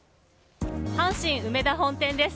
阪神梅田本店です。